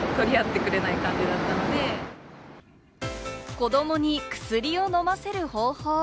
子どもに薬を飲ませる方法。